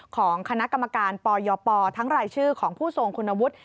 ของคณะกรรมการปยปทั้งรายชื่อของผู้ทรงคุณวุฒิ